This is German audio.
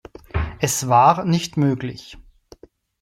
Es war nicht möglich.